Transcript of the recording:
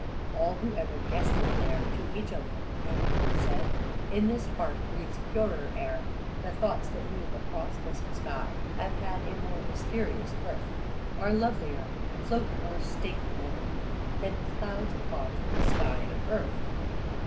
All who ever guested there To each other, murmuring, said: "In this heart breathes purer air, The thoughts that move across this sky Have had a more mysterious birth, Are lovelier, float more statelily Than clouds across the sky of earth."